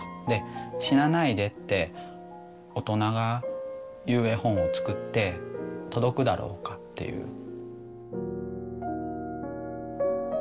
で死なないでって大人が言う絵本を作って届くだろうかっていう。